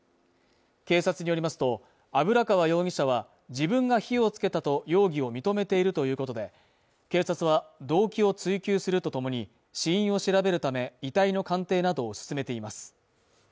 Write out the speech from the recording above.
警察によりますと、油川容疑者は自分が火をつけたと容疑を認めているということで、警察は動機を追及するとともに、死因を調べるため遺体の鑑定などを進めています。